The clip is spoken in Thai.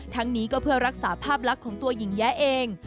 ทั้งนี้ก็เพื่อรักษาภาพลักษณ์ของตัวหญิงแย้เอง